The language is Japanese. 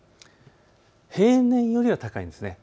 平年よりは高いです。